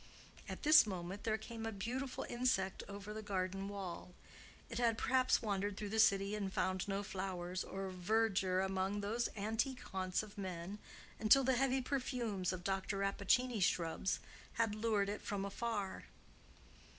At this moment there came a beautiful insect over the garden wall; it had, perhaps, wandered through the city, and found no flowers or verdure among those antique haunts of men until the heavy perfumes of Dr. Rappaccini's shrubs had lured it from afar.